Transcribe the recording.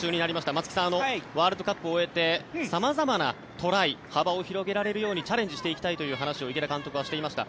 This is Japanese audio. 松木さん、ワールドカップ終えて様々なトライ幅を広げられるようにチャレンジしていきたいという話を池田監督はしていました。